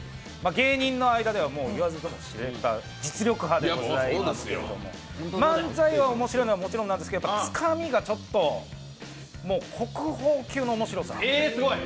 芸人の間では言わずと知れた実力派でございますけれども漫才が面白いのはもちろんなんですけど、つかみがちょっと国宝級のおもしろさ。